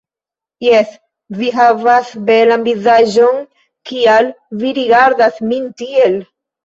Jes, vi havas belan vizaĝon, kial vi rigardas min tiel?